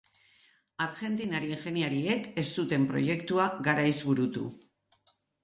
Argentinar ingeniariek ez zuten proiektua garaiz burutu.